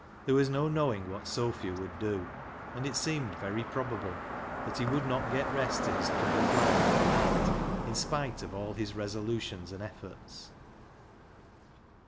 There was no knowing what Sophia would do, and it seemed very probable that he would not get rest to his troubled mind that night, in spite of all his resolutions and efforts.